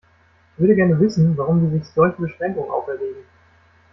Ich würde gerne wissen, warum die sich solche Beschränkungen auferlegen.